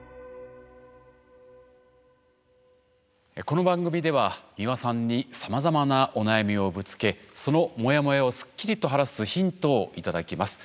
この番組では美輪さんにさまざまなお悩みをぶつけそのモヤモヤをすっきりと晴らすヒントを頂きます。